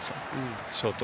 ショート。